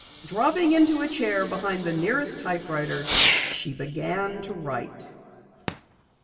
Dropping into a chair behind the nearest typewriter, she began to write.